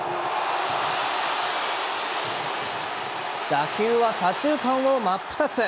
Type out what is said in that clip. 打球は左中間を真っ二つ。